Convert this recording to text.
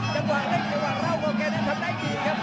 จังหวะเล็กจังหวะเล่าเค้าแกได้ทำได้ดีครับ